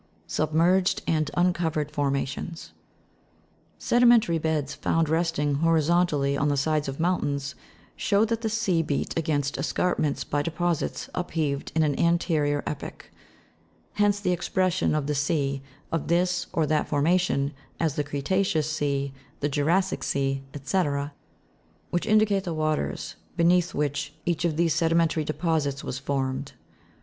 Submerged and uncovered formations. Sedimentary beds found resting horizontally on the sides of mountains, show that the sea beat against escarpments by deposits upheaved in an anterior epoch ; hence the expres sion of the sea of this or that formation, as the creta'ceous sea, the jura'ssic sea, &c., which indicate the waters beneath which each of these sedi. mentary deposits was formed.